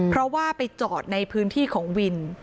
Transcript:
เพราะว่าไปจอดในพื้นที่ของวิน